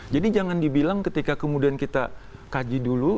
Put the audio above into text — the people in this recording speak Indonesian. jadi jangan dibilang ketika kemudian kita kaji dulu